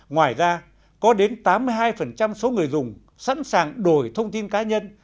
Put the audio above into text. ngoài ra có đến tám mươi hai số người dùng sẵn sàng đổi thông tin cá nhân